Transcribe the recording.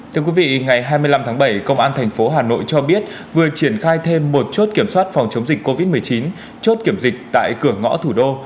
thưa quý vị ngày hai mươi năm tháng bảy công an thành phố hà nội cho biết vừa triển khai thêm một chốt kiểm soát phòng chống dịch covid một mươi chín chốt kiểm dịch tại cửa ngõ thủ đô